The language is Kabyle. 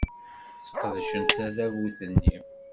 Sqedcent tadabut-nni.